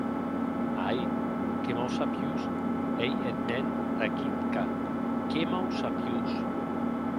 Ai, qué mausapiós ei eth mèn Rakitka, qué mausapiós!